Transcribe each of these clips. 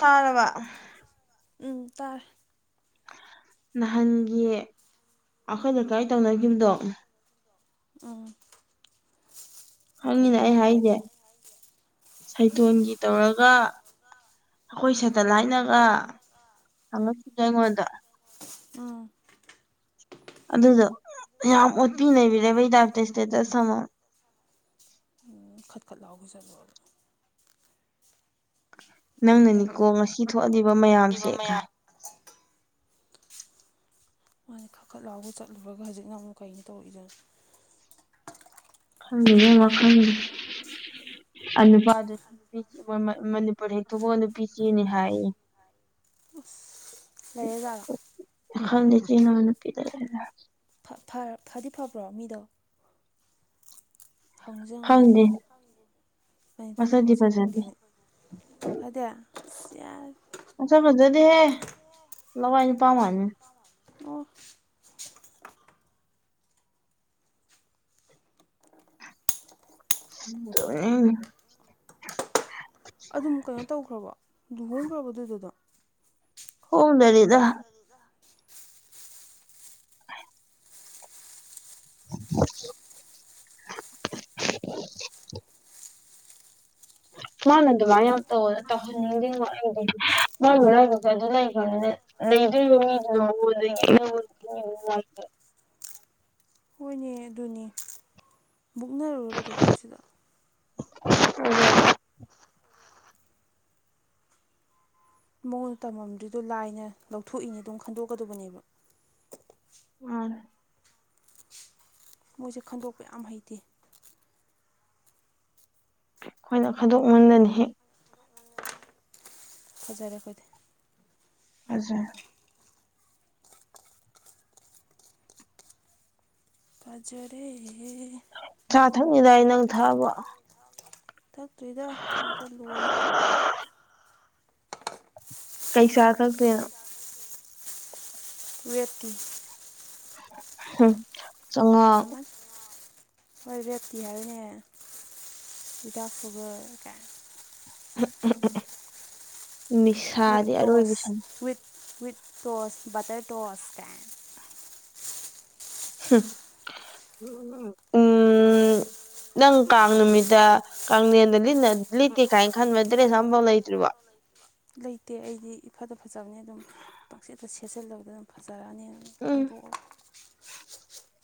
ꯇꯥꯔꯕ ꯎꯝ ꯇꯥꯔꯦ ꯅꯍꯥꯟꯒꯤ ꯑꯩꯈꯣꯏꯅ ꯀꯗꯥꯥꯏ ꯇꯧꯅꯈꯤꯕꯗꯣ ꯎꯝ ꯈꯪꯉꯤꯅ ꯀꯩꯅꯣ ꯑꯩ ꯅꯣꯏꯒꯤ ꯀꯥꯏ ꯍꯥꯏꯁꯦ ꯇꯧ ꯁꯩꯊꯣꯟꯒꯤ ꯇꯧꯔꯒ ꯑꯩꯈꯣꯏ ꯁꯦꯇꯦꯂꯥꯏꯠꯅꯒ ꯍꯪꯉꯛꯈꯤꯒꯦ ꯑꯩꯉꯣꯟꯗ ꯎꯝ ꯑꯗꯨꯗꯣ ꯌꯥꯝ ꯑꯣꯠꯄꯤ ꯅꯩꯕꯤꯔꯦꯕꯩ ꯇꯥꯏꯞꯇ ꯏꯁꯇꯦꯇꯁ ꯑꯃ ꯈꯠꯈꯠꯂꯥꯎꯒꯜꯂꯨꯔ ꯌꯦꯡꯗꯝꯅꯤ ꯅꯪꯅꯅꯤꯀꯣ ꯉꯁꯤ ꯊꯣꯛꯍꯜꯂꯤꯕ ꯃꯌꯥꯝꯁꯦ ꯀꯥꯏ ꯃꯥꯅ ꯈꯥꯈꯠ ꯂꯥꯎꯒ ꯆꯠꯂꯨꯔꯒ ꯍꯧꯖꯤꯛꯅ ꯑꯃꯨꯛ ꯀꯩꯅ ꯇꯧꯔꯛꯏꯗꯅ ꯍ ꯃꯈ ꯑꯅꯨꯄꯥꯗ ꯅꯨꯄꯤꯣꯏ ꯃꯅꯤꯄꯨꯔ ꯍꯦꯛ ꯊꯣꯛꯣꯛꯑꯒ ꯅꯨꯄꯤ ꯆꯦꯅꯤ ꯍꯥꯏꯌꯦ ꯂꯩꯌꯦꯦꯖꯥꯔꯣ ꯍꯅꯅꯄꯤꯗ ꯐꯗꯤ ꯐꯕ꯭ꯔꯣ ꯃꯤꯗꯣ ꯍꯪꯉꯨꯁ ꯍꯪꯗꯦꯅꯦ ꯈꯪꯗꯦ ꯀ ꯇꯗ ꯃꯁꯛꯇꯤ ꯍꯪꯉꯨꯁꯤꯕ ꯐꯖꯗꯦ ꯈꯪꯗꯦꯅꯦ ꯐꯗ ꯑꯁꯥ ꯐꯖꯗꯤꯦꯍꯦ ꯂꯋꯥꯏꯅ ꯄꯥꯝꯃꯅꯤ ꯑꯣ ꯎꯝ ꯑꯗꯨꯝ ꯀꯩꯅꯣ ꯇꯧꯈ꯭ꯔꯕ ꯂꯨꯍꯣꯡꯈ꯭ꯔꯕꯗꯨꯗꯨꯗ ꯍꯣꯡꯗꯔꯤꯗ ꯐꯔꯗ [inaudible] ꯑ ꯃꯥꯅ ꯑꯗꯨꯃꯥꯏꯅ ꯌꯥꯝ ꯇꯧ ꯇꯧꯍꯟꯅꯤꯡꯗꯕꯣ ꯑꯩ ꯃꯥꯅ ꯂꯥꯏꯕꯁꯦ ꯑꯗꯨ ꯂꯩꯈ꯭ꯔꯅꯤꯅꯦ ꯂꯩꯗꯣꯏ ꯌꯣ ꯃꯤꯗꯨꯅ ꯑꯗꯒꯤꯅ ꯈ ꯍꯣꯏꯅꯦ ꯑꯗꯨꯅꯦ ꯀꯔꯨꯔ ꯀꯩꯗꯧꯗꯣꯏꯣ ꯁꯤꯗ ꯎꯝ ꯃꯉꯣꯟꯗ ꯇꯝꯃꯝꯗ꯭ꯔꯤꯗꯣ ꯂꯥꯏꯅ ꯂꯧꯊꯣꯛꯏꯅꯦ ꯑꯗꯨꯝ ꯈꯟꯗꯣꯛꯀꯗꯕꯅꯦꯕ ꯎꯝ ꯃꯣꯏꯁꯦ ꯈꯟꯗꯣꯛꯄ ꯌꯥꯝ ꯍꯩꯇꯦ ꯑꯩꯈꯣꯏꯅ ꯈꯥꯏꯗꯣꯛꯃꯟꯗꯅ ꯍꯦꯛ ꯐꯖꯔꯦ ꯐꯣꯏꯗꯤꯦ ꯑꯗꯨꯦ ꯀꯖꯔ ꯆꯥ ꯊꯛꯅꯤꯗꯥꯏ ꯅꯪ ꯊꯥꯕ ꯊꯛꯇꯣꯏꯗ ꯅꯗ ꯂꯣꯜꯂ ꯀꯩ ꯆꯥ ꯈꯛꯇ꯭ꯔꯦꯅ ꯑꯣꯏꯋꯦꯠꯇ ꯍꯝ ꯐꯔꯃꯟ ꯍꯣꯏ ꯔꯞꯤ ꯍꯥꯏꯔꯅꯦ ꯗꯎ ꯈꯨꯕ ꯀ ꯋꯤꯠ ꯅꯤꯁꯥꯗꯤ ꯑꯔꯣꯏꯕ ꯇꯣꯁ ꯁꯅ with with toss butter toss ꯀ ꯎꯝ ꯅꯪ ꯀꯥꯡ ꯅꯨꯃꯤꯠꯇ ꯀꯅꯦꯟꯗ ꯂꯤꯠꯅ ꯂꯤꯇꯦ ꯀꯥꯏꯅ ꯈꯟꯕꯗ꯭ꯔꯦ ꯁꯝꯕ ꯂꯩꯇ꯭ꯔꯤꯕꯕ ꯂꯩꯇꯦ ꯑꯩꯗꯤ ꯏꯐꯠꯇ ꯐꯖꯕꯅꯦ ꯑꯗꯨꯝ ꯄꯥꯛꯆꯦꯠꯇ ꯁꯦꯠꯆꯜꯂꯕꯗ ꯑꯗꯨꯝ ꯐꯖꯔꯅꯦ ꯎꯝ ꯈꯟꯗꯣꯛꯑꯣ [unintelligible]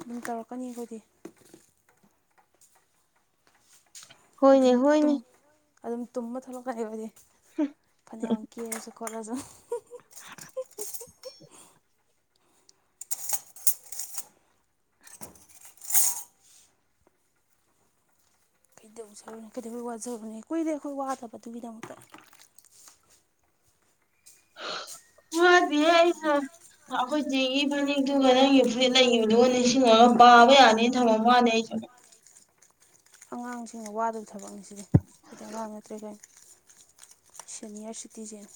ꯑꯗꯨꯝ ꯇꯧꯔꯛꯀꯅꯤ ꯑꯩꯈꯣꯏꯗꯤ ꯍꯣꯏꯅꯦ ꯍꯣꯏꯅꯦ ꯑꯗꯨꯝ ꯑꯗꯨꯝ ꯇꯨꯝꯕ ꯊꯂꯛꯀ ꯑꯩ ꯑꯣꯏꯗꯤ ꯐꯩꯅꯌꯥꯝ ꯀ ꯍꯥꯏꯁꯨ ꯀꯣꯂꯦꯖ ꯀꯩꯗꯧꯖꯕꯅꯤ ꯀꯩꯗꯧꯕꯋꯩ ꯋꯥꯖꯕꯅꯦ ꯀꯨꯏꯗꯦ ꯑꯩꯈꯣꯏ ꯋꯥꯗꯕꯗꯨꯒꯤꯗꯃꯛꯇ ꯍꯥ ꯋꯥꯗꯦ ꯑꯩꯈꯣꯏ ꯆꯦꯒꯤ ꯐꯅꯦꯛꯇꯨꯒ ꯅꯪꯒꯤ ꯐꯨꯔꯤꯠ ꯂꯩꯈꯤꯕꯗꯨꯒ ꯅꯤꯡꯁꯤꯡꯉꯒ ꯄꯥꯕ ꯌꯥꯅꯤꯅ ꯊꯝꯃꯝ ꯋꯥꯅꯤ ꯑꯩꯁꯨ ꯑꯉꯥꯡꯁꯤꯡꯅ ꯋꯥꯗꯕ ꯊꯕꯛꯅꯤꯁꯤꯗꯤ ꯍꯥꯏꯈꯣꯏꯗꯤ ꯑꯉꯥꯡ ꯅꯠꯇ꯭ꯔꯦꯈꯣꯏꯅ ꯁꯅꯤꯌꯔ ꯁꯤꯇꯤꯖꯦꯟ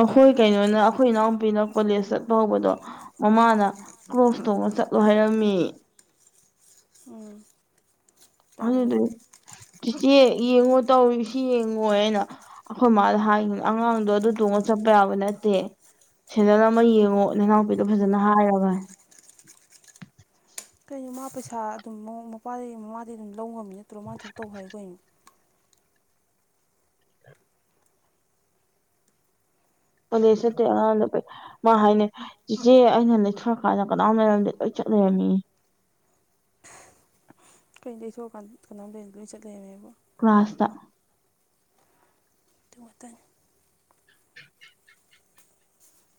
ꯑꯩꯈꯣꯏ ꯀꯩꯅꯣꯅ ꯑꯩꯈꯣꯏ ꯏꯅꯥꯎꯄꯤꯅ ꯀꯣꯂꯦꯖ ꯆꯠꯄ ꯍꯧꯕꯗꯣ ꯃꯃꯥꯅ ꯀ꯭ꯔꯣꯁ ꯇꯧꯅ ꯆꯠꯂꯣ ꯍꯥꯏꯔꯝꯃꯤ ꯎꯝ ꯇꯧꯋꯦ ꯑꯗꯨꯗꯤ ꯆꯤꯆꯦ ꯌꯦꯡꯉꯣ ꯇꯧꯁꯤ ꯌꯦꯡꯉꯣ ꯍꯥꯏꯅ ꯑꯩꯈꯣꯏ ꯃꯥꯗ ꯍꯥꯏ ꯑꯉꯥꯡꯗꯣ ꯑꯗꯨ ꯇꯣꯡꯉꯒ ꯆꯠꯄ ꯌꯥꯕ ꯅꯠꯇꯦ ꯁꯦꯟꯗꯜ ꯑꯃ ꯌꯦꯡꯉꯣ ꯅꯅꯥꯎꯅꯨꯄꯤꯗꯨ ꯐꯖꯅ ꯍꯥꯏꯔꯒ ꯑꯗꯨ ꯃꯥ ꯄꯩꯁꯥ ꯑꯗꯨꯝ ꯃꯄꯥꯗꯩ ꯃꯃꯥꯗꯩ ꯑꯗꯨꯝ ꯂꯧ ꯉꯝꯃꯤ ꯅꯠꯇ꯭ꯔꯣ ꯃꯥꯅ ꯊꯣꯛ ꯇꯧ ꯍꯥꯏꯈꯣꯅꯣ ꯄꯗꯁ ꯇꯉꯥꯡꯅ ꯃꯥ ꯍꯥꯏꯅꯦ ꯏꯦꯆꯦ ꯑꯩꯅ ꯂꯩꯊꯣꯔꯀꯥꯟꯗ ꯀꯅꯥꯝ ꯂꯩꯔꯝꯗ ꯂꯣꯏ ꯆꯠ ꯂꯩꯔꯝꯃꯤ ꯀꯩꯅ ꯇꯩꯊꯣꯛꯑꯀꯥꯟꯗ ꯀꯅꯥꯝꯕꯦꯟꯗ ꯂꯣꯏ ꯆꯠꯂꯔꯃꯦꯕ ꯀ꯭ꯂ꯭ꯔꯥꯁꯇ ꯑꯗꯨ ꯉꯥꯇꯅꯤ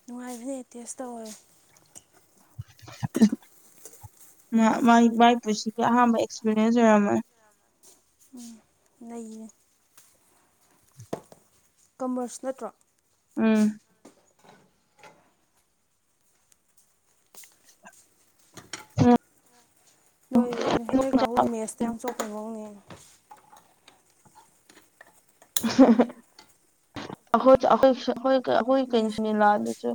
ꯅꯨꯡꯉꯥꯏꯕꯅ ꯑꯦꯇꯦꯁ ꯇꯧꯋꯦ ꯃꯥꯒꯤ ꯃꯥꯏꯄꯨꯟꯁꯤꯒꯤ ꯑꯍꯥꯟꯕ ꯑꯦꯛꯁꯄꯤꯔꯤꯌꯦꯟꯁ ꯑꯣꯏꯔꯝꯃꯣꯏ ꯎꯝ ꯂꯩꯌꯦ ꯀꯃꯔꯁ ꯅꯠꯇ꯭ꯔꯣ ꯎꯝ ꯎꯝ ꯅꯣꯏ ꯅꯣꯏ ꯅꯣꯏ ꯀꯥꯡꯕꯨ ꯃꯦꯠꯁꯇ ꯌꯥꯝ ꯆꯣꯛꯄ ꯃꯑꯣꯡꯅꯦ [unintelligible] ꯑꯩꯈꯣꯏ ꯑꯩꯈꯣꯏ ꯑꯩꯈꯣꯏ ꯑꯩꯈꯣꯏ ꯃꯦꯠꯁ ꯀꯩꯅꯣꯁꯤꯅꯤꯂꯥꯗꯁꯨ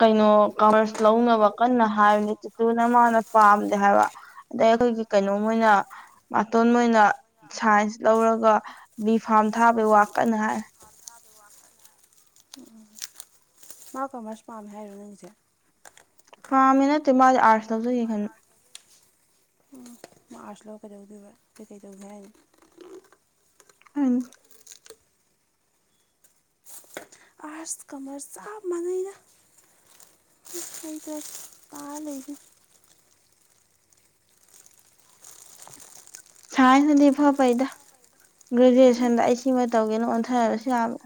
ꯀꯩꯅꯣ ꯀꯃꯔꯁ ꯂꯧꯅꯕ ꯀꯟꯅ ꯍꯥꯏꯕꯅꯤ ꯇꯤꯇꯨꯅ ꯃꯥꯅ ꯄꯥꯝꯗꯦ ꯍꯥꯏꯕ ꯑꯗꯩ ꯑꯩꯈꯣꯏꯒꯤ ꯀꯩꯅꯣ ꯃꯣꯢꯅ ꯃꯇꯣꯟ ꯑꯣꯏꯅ ꯁꯥꯏꯟꯁ ꯂꯧꯔꯒ ꯕꯤ ꯐꯥꯝ ꯊꯥꯕꯩ ꯋꯥꯀꯟꯅ ꯍꯥꯏ ꯄꯥꯊꯥ ꯗ ꯋꯥ ꯀꯅꯦ ꯎ [unintelligible] ꯃꯥ ꯀꯃꯔꯁ ꯄꯥꯝꯃꯦ ꯍꯥꯏꯔꯣ ꯅꯪꯁꯦ ꯄꯥꯝꯃꯦ ꯅꯠꯇꯦ ꯃꯥꯗꯤ ꯑꯥꯔꯠꯁ ꯂꯧꯖꯒꯦꯈꯟ ꯃꯥ ꯑꯥꯔꯁ ꯂꯧꯔ ꯀꯩꯗꯧꯗꯣꯢꯕ ꯀꯩ ꯀꯩ ꯇꯧꯒꯦ ꯍꯥꯢꯅꯣ ꯎꯝ ꯑꯥꯔꯠꯁ ꯀꯃꯔꯁ ꯆꯞ ꯃꯥꯟꯅꯩꯅ ꯍꯗ ꯇꯥ ꯂꯩꯔꯤ ꯁꯥꯏꯟꯁꯅꯗꯤ ꯏꯐ ꯐꯩꯗ ꯍꯣꯏ ꯒ꯭ꯔꯦꯖꯨꯌꯦꯁꯟꯗ ꯑꯩ ꯁꯤꯃ ꯇꯧꯒꯦꯅ ꯑꯣꯟꯊꯔꯁꯨ ꯌꯥꯕ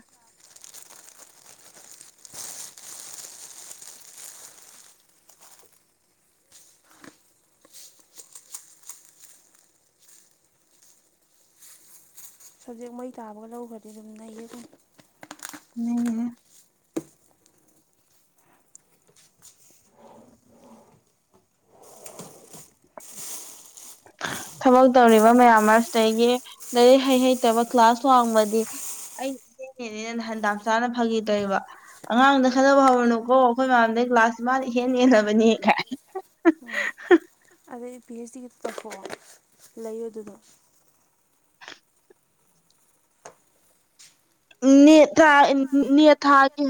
ꯁꯞꯖꯦꯛ ꯃꯩ ꯇꯥꯕꯒ ꯂꯧꯈ꯭ꯔꯗꯤ ꯑꯗꯨꯝ ꯅꯩꯌꯦ ꯑꯗꯨꯝ ꯊꯕꯛ ꯇꯧꯔꯤꯕ ꯃꯌꯥꯝ ꯃꯔꯛꯁꯤꯗꯒꯤ ꯂꯥꯏꯔꯤꯛ ꯍꯩ ꯍꯩꯇꯕ ꯀ꯭ꯂꯥꯁ ꯋꯥꯡꯃꯗꯤ ꯑꯩ ꯏꯆꯦꯅꯦꯅꯦ ꯅꯍꯥꯟ ꯗꯥꯝ ꯆꯥꯅ ꯐꯒꯤꯇꫭꯏꯕ ꯑꯉꯥꯡꯗ ꯈꯠꯅꯕ ꯍꯧꯔꯅꯨꯀꯣ ꯑꯩꯈꯣꯏ ꯃꯌꯥꯝꯗꯩ ꯀ꯭ꯂꯥꯁ ꯃꯥꯅ ꯏꯍꯦꯟ ꯍꯦꯜꯂꯕꯅꯤ ꯀꯥꯏ ꯎꯝ ꯑꯗꯨꯗꯤ ꯄꯤ ꯑꯩꯁ ꯗꯤꯒꯤ ꯇꯧꯊꯣꯛꯑꯣ ꯂꯩꯌꯨ ꯑꯗꯨꯅꯣ ꯅꫭꯠꯇꯔꯥꯟ ꯅꯦꯠ ꯊꯥꯒꯦ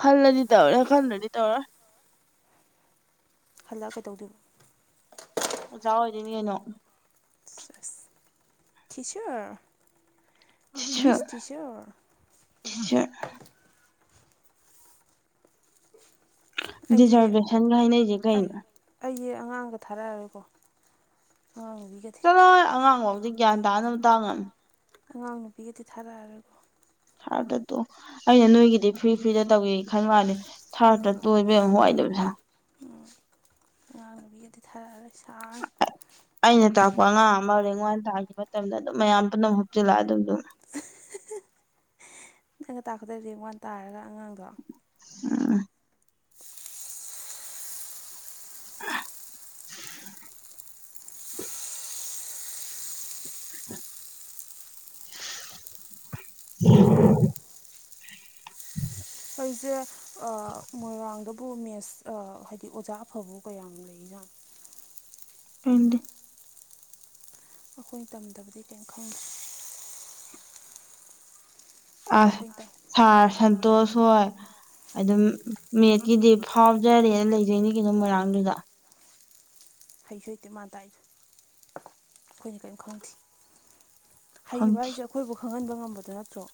ꯈꯜꯂꯗꯤ ꯇꯧꯔꯦ ꯈꯟꯗꯔꯗꯤ ꯇꯧꯔꫭꯏ ꯍꯜꯂꯛꯑ ꯀꯩꯗꯧꯗꯣꯏꯅꯣ꯫ ꯑꯣꯖꯥ ꯑꯣꯏꯗꯣꯏꯅꯤ ꯀꯩꯅꯣ꯫ ꯑꯁ teacher miss teacher teacher. Teacher ꯗꯤꯖꯥꯔꯕꯦꯁꯟꯒ ꯍꯥꯏꯅꯩꯁꯦ ꯀꯩꯅꯣ? ꯑꯩꯁ ꯑꯉꯥꯡꯒ ꯊꯥꯔꯛꯑꯔꯣꯏꯀꯣ ꯑꯉꯥꯡꯅꯨꯕꯤꯒ ꯫ ꯆꯠꯂꯣ ꯍꯦ ꯑꯉꯥꯡꯕꯥꯎꯗꯤ ꯒ꯭ꯌꯥꯟ ꯇꯥꯅꯕ ꯇꯥꯛꯉꯝꯃꯤ꯫ ꯑꯉꯥꯡ ꯅꯨꯄꯤꯒꯗꯤ ꯊꯥꯔꯛꯑꯔꯣꯀꯣ꯫ ꯁꯥꯔꯗꯗꯣ ꯑꯩꯅ ꯅꯣꯏꯒꯤꯗꯤ ꯐ꯭ꯔꯤ ꯐ꯭ꯔꯤꯗ ꯇꯧꯋꯦ ꯈꯟ ꯋꯥꯅꯦ꯫ ꯊꯔꯇ ꯇꯣ ꯢꯕꯦꯝ ꯋꯥꯢꯗꯨꯝ ꯁꯪꯏ꯫ ꯇꯕꯤꯒꯗꯤ ꯊꯥꯔꯛꯑꯔꯣꯏ ꯁꯥꯡ ꯑꯩꯅ ꯇꯥꯛꯄ ꯑꯉꯥꯡ ꯑꯃ ꯔꯦꯡ ꯋꯥꯟ ꯇꯥꯈꯤꯕ ꯃꯇꯝꯗ ꯑꯗꯨꯝ ꯃꯌꯥꯝ ꯄꯨꯝꯅꯃꯛ ꯍꯨꯞꯆꯤꯜꯂꯛꯑ ꯑꯗꯨꯝ ꯑꯗꯨꯝ ꯅꯪꯩꯅ ꯇꯥꯛꯄꯗ ꯔꯦꯡ ꯋꯥꯟ ꯇꯥꯔꯒ ꯑꯉꯥꯡꯗꯣ ꯎꯝ [inaudible] [inaudible] ꯑꯩꯈꯣꯏꯁꯦ ꯃꯣꯏꯔꯥꯡꯗꯕꯨ ꯃꯦꯁ ꯍꯥꯏꯗꯤ ꯑꯣꯖꯥ ꯑꯐꯕ ꯀꯌꯥꯝ ꯂꯩꯖꯥꯠꯅꯣ? ꯈꯥꯪꯗꯤ꯫ ꯑꯩꯈꯣꯏꯅ ꯇꯝꯗꯕꯗꯤ ꯀꯩꯝ ꯈꯪꯗ꯭ꯔꯦ꯫ ꯑꯁ ꯑꯩꯈꯣꯏꯅ ꯁꯥꯔ ꯁꯟꯇꯣꯁ ꯍꯣꯏ ꯑꯗꯨꯝ ꯃꯤꯠꯀꯤꯗꯤ ꯐꯥꯎꯖꯔꯦꯅ ꯂꯩꯖꯩꯅꯤ ꯀꯩꯅꯣ ꯃꯣꯏꯔꯥꯡꯗꯨꯗ ꯍꯩꯁꯨ ꯍꯩꯇꯦ ꯃꯥꯟ ꯇꯥꯏꯗꯣ ꯑꯩꯈꯣꯏꯅ ꯀꯔꯤꯝ ꯈꯪꯗꯦ꯫ ꯍꯩꯕ ꯈꯪꯗꯦ ꯍꯥꯏꯁꯦ ꯑꯩꯈꯣꯏꯕꯨ ꯈꯪꯍꯟꯕ ꯉꯝꯕꯗꯣ ꯅꯠꯇ꯭ꯔꯣ?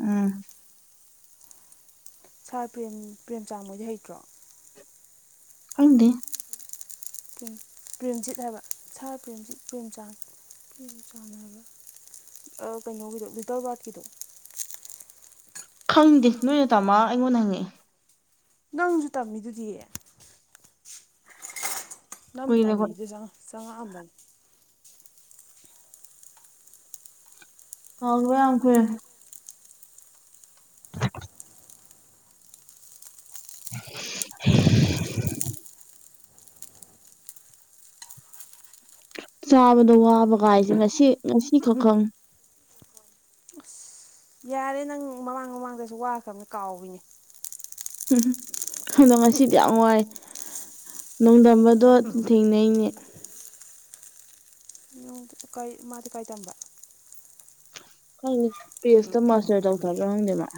ꯎꯝ ꯁꯥꯔ ꯄꯦꯝ ꯄ꯭ꯔꯦꯝꯆꯥꯡ ꯃꯣꯏꯗꯤ ꯍꯩꯇ꯭ꯔꯣ? ꯍꯪꯗꯦ꯫ ꯄ꯭ꯔꯦꯝꯖꯤꯠ ꯍꯥꯏꯕ ꯁꯥ ꯄ꯭ꯔꯦꯝꯖꯤꯠ ꯄ꯭ꯔꯦꯝꯆꯥꯟ ꯄ꯭ꯔꯦꯝꯆꯥꯟ ꯍꯥꯏꯕ ꯑ ꯀꯩꯅꯣꯒꯤꯗꯣ ꯕꯤꯇꯣꯔꯕꯥꯠꯀꯤꯗꯣ ꯈꯪꯗꯦ ꯅꯣꯏꯅ ꯇꯥꯃ ꯑꯩꯉꯣꯟꯗ ꯍꯪꯉꯛꯑꯦ꯫ ꯅꯪꯁꯨ ꯇꯝꯃꯤꯗꯨꯗꯤ ꯅꯝ ꯀꯨꯏꯔꯦ ꯑꯩꯈꯣꯏ ꯇꯝꯃꯤꯗꯨ ꯆꯪꯉꯛ ꯆꯪꯉꯛꯑꯝꯕꯅꯤ꯫ ꯀꯥꯑꯣ ꯈꯤꯕꯥ ꯌꯥꯝ ꯀꯨꯏꯔꯦ꯫ [inaudible] ꯆꯥꯕꯗ ꯋꯥꯕ ꯀꯥꯏꯁꯦ ꯉꯁꯤ ꯉꯁꯤ ꯈꯇꯅꯤ꯫ ꯌꯥꯔꯦ ꯅꯪ ꯃꯃꯥꯡ ꯃꯃꯥꯡꯗꯁꯨ ꯋꯥꯈ꯭ꯔꯕꯅꯤ ꯀꯥꯎꯏꯅꯦ꯫ ꯎꯝ ꯑꯗꯣ ꯉꯁꯤꯗꯤ ꯌꯥꯝ ꯋꯥꯏ꯫ ꯅꯣꯡꯗꯝꯝꯕꯗꯣ ꯊꯦꯡꯅꯩꯅꯤ ꯫ ꯀꯥꯏ ꯃꯥꯗꯤ ꯀꯥꯏ ꯇꯝꯕ ꯈꯪꯗꯦ ꯄꯤ ꯑꯩꯆꯇ ꯃꯥꯁꯇꯔ ꯇꯧꯊꯕ꯭ꯔꯥ ꯈꯪꯗꯦꯕ [inaudible]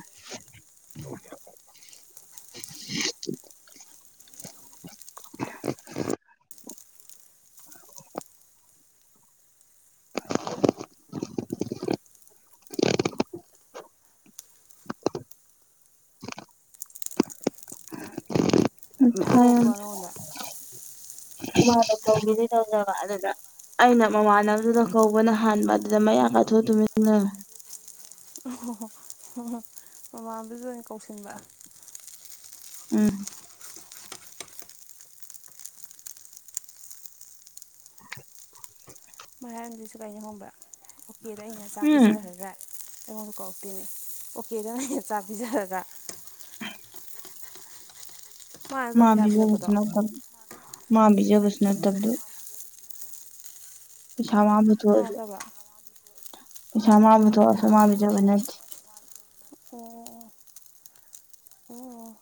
ꯀꯧꯔꯛꯄ꯭ꯔꯣ ꯅꯉꯣꯟꯗ ꯃꯥ ꯇꯗꯤ ꯇꯧꯖꯕ ꯑꯗꯨꯗ ꯑꯩꯅ ꯃꯃꯥꯟꯅꯕꯗꯨꯗ ꯀꯧꯕꯅ ꯍꯥꯟꯕ ꯑꯗꯨꯗ ꯃꯌꯥ ꯀꯥꯊꯣꯛꯑ ꯇꯨꯃꯤꯟ ꯂꯩ꯫ ꯑꯣ ꯑꯍꯣ ꯃꯃꯥꯡꯗꯨꯗꯥ ꯑꯣꯏꯅ ꯀꯧꯁꯤꯟꯕ꯫ ꯎꯝ ꯃꯔꯝꯗꯨ ꯁꯨ ꯀꯥꯏꯅ ꯈꯪꯕ꯭ꯔ ꯑꯣꯀꯦꯗ ꯑꯩꯅ ꯆꯥꯛ ꯎꯝ ꯄꯤꯖꯈ꯭ꯔꯍꯒ? ꯑꯩꯉꯣꯟꯗ ꯀꯧꯔꯛꯇꯦꯅꯦ ꯑꯣ ꯀꯦꯗꯑꯩꯅ ꯆꯥꯛ ꯄꯤꯖꯔꯒ ꯃꯥꯅ ꯅꯠꯇ꯭ꯔꯣ ꯄꯩꯁꯥ ꯄꯤꯔꯛꯄꯗꯣ [unintelligible] ꯄꯩꯁꯥ ꯃ ꯃꯥ ꯄꯨꯊꯣꯛꯑꯁꯨ ꯅꯠꯇꯕ꯭ꯔꯥ ꯑꯣ ꯄꯩꯁꯥ ꯃꯥ ꯄꯨꯊꯣꯛꯑꯁꯨ ꯃꯥꯥ ꯕꯤꯖꯕ ꯅꯠꯇꯦ꯫ ꯑꯣ ꯑꯣ ꯑꯣ